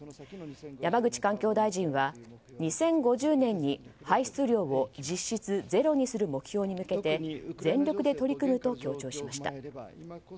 山口環境大臣は、２０５０年に排出量を実質ゼロにする目標に向けて全力で取り組むと強調しました。